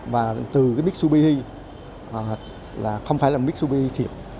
và từ cái mixupi không phải là mixupi thiệp